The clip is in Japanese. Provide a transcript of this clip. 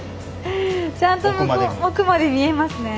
ちゃんと奥まで見えますね。